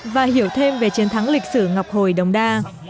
và hiểu thêm về chiến thắng lịch sử ngọc hồi đồng đa